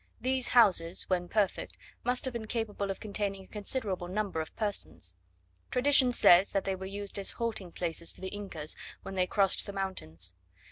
These houses, when perfect, must have been capable of containing a considerable number of persons. Tradition says, that they were used as halting places for the Incas, when they crossed the mountains.